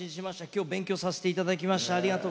今日、勉強させていただきました。